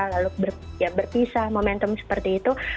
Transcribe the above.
lalu ya berpisah momentum seperti itu